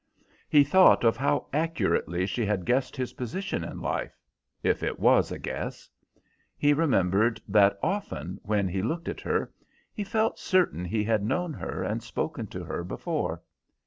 He thought of how accurately she had guessed his position in life—if it was a guess. He remembered that often, when he looked at her, he felt certain he had known her and spoken to her before.